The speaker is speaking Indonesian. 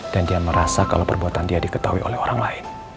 dan dia merasa kalau perbuatan dia diketahui oleh orang lain